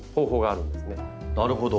なるほど。